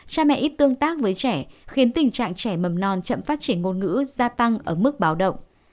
cha mẹ tương tác với trẻ khiến tình trạng trẻ mầm non chậm phát triển ngôn ngữ gia tăng ở mức báo động